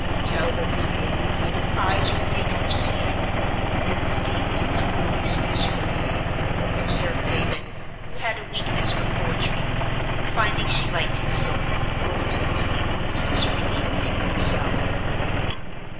"'Tell them, dear, that if eyes were made for seeing, "'Then beauty is its own excuse for being,'" observed David, who had a weakness for poetry, and, finding she liked his sort, quoted to Christie almost as freely as to himself.